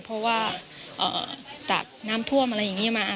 เพราะว่าจากน้ำท่วมอะไรอย่างนี้มา